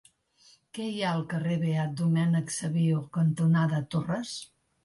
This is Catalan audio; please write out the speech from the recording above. Què hi ha al carrer Beat Domènec Savio cantonada Torres?